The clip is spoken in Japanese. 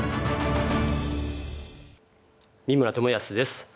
三村智保です。